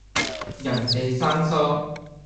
人地生疏